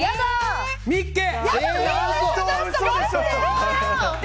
ミッケ！